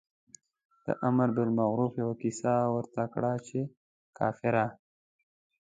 د امر بالمعروف یوه کس ورته کړه چې کافره.